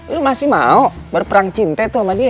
lo masih mau berperang cinta tuh sama dia ya